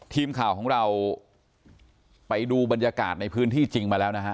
ทีมข่าวของเราไปดูบรรยากาศในพื้นที่จริงมาแล้วนะฮะ